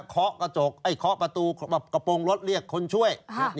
ปรากฏว่าเคาะประตูกระโปรงรถเรียกคนช่วย